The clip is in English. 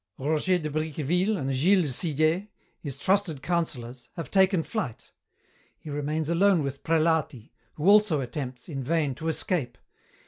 "Roger de Bricqueville and Gilles de Sillé, his trusted councillors, have taken flight. He remains alone with Prelati, who also attempts, in vain, to escape.